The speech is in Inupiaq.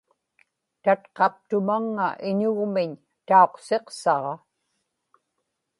tatqaptumaŋŋa iñugmiñ tauqsiqsaġa